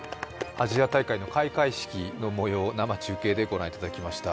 アジア大会の開会式の模様を生中継でご覧いただきました。